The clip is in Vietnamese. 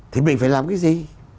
thì mình phải làm cái gì